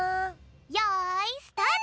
よいスタート！